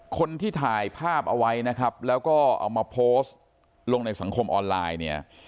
คนที่ถ่ายภาพเอาไว้แล้วก็เอามาโพสต์ลงในสังคมออนไลน์